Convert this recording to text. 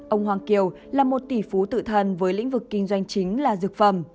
ông hoàng kiều là một tỷ phú tự thân với lĩnh vực kinh doanh chính là dược phẩm